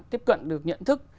tiếp cận được nhận thức